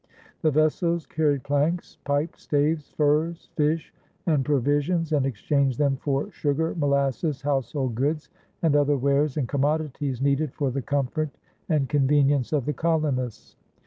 The vessels carried planks, pipe staves, furs, fish, and provisions, and exchanged them for sugar, molasses, household goods, and other wares and commodities needed for the comfort and convenience of the colonists.